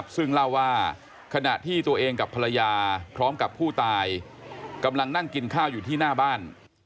ซึ่งเล่าว่าขณะที่ตัวเองกับภรรยาพร้อมกับผู้ตายกำลังนั่งกินข้าวอยู่ที่หน้าบ้าน